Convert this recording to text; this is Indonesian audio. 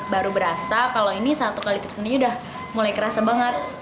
baru berasa kalau ini satu kali treatmentnya sudah mulai kerasa banget